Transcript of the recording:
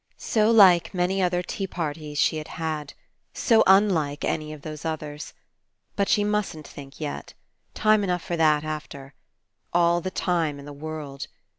So like many other tea parties she had had. So unlike any of those others. But she mustn't think yet. Time enough for that after. All the time in the world.